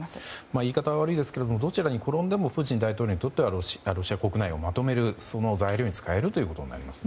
言い方は悪いですがどちらに転んでもプーチン大統領にとってはロシア国内をまとめる材料に使えるということになりますね。